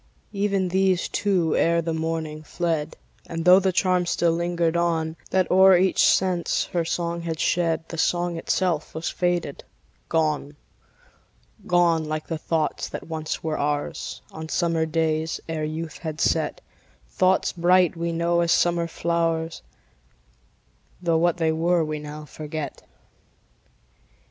Even these, too, ere the morning, fled; And, tho' the charm still lingered on, That o'er each sense her song had shed, The song itself was faded, gone; Gone, like the thoughts that once were ours, On summer days, ere youth had set; Thoughts bright, we know, as summer flowers, Tho' what they were we now forget.